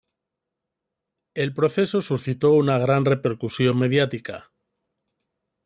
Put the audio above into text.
El proceso suscitó una gran repercusión mediática.